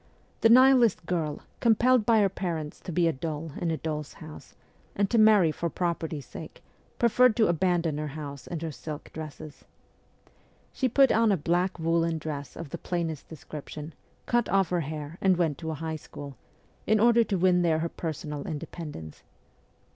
The Nihilist girl, com pelled by her parents to be a doll in a doll's house, and to marry for property's sake, preferred to abandon her house and her silk dresses ; she put on a black woollen dress of the plainest description, cut off her hair, and went to a high school, in order to win there her personal independence.